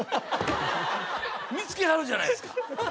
見つけはるじゃないですか。